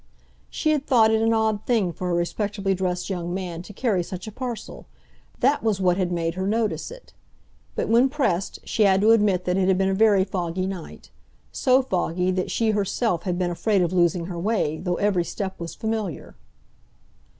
She had thought it an odd thing for a respectably dressed young man to carry such a parcel—that was what had made her notice it. But when pressed, she had to admit that it had been a very foggy night—so foggy that she herself had been afraid of losing her way, though every step was familiar.